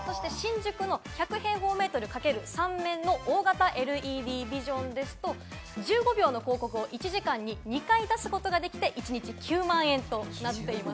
新宿の１００平方メートル×３面の大型ＬＥＤビジョンですと、１５秒の広告を一日２回出すことができて、一日９万円となっています。